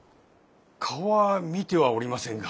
顔は見てはおりませんが。